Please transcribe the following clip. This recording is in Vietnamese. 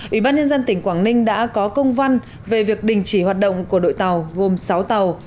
ủy ban nhân dân tỉnh quảng ninh đã có công văn về việc đình chỉ hoạt động của đội tàu gồm sáu tàu